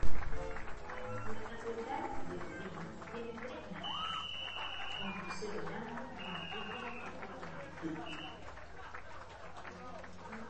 La catedral de Turín tiene tres naves, con crucero grande y una cúpula octogonal.